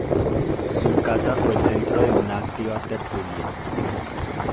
Su casa fue el centro de una activa tertulia.